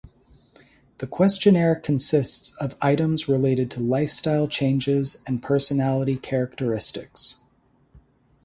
The questionnaire consists of items related to lifestyle changes and personality characteristics.